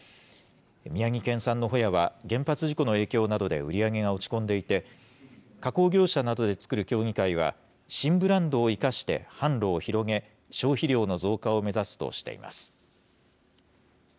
宮城県産のほやは、原発事故の影響などで売り上げが落ち込んでいて、加工業者などで作る協議会は新ブランドを生かして、販路を広げ、消費量の増加を目指すとしています。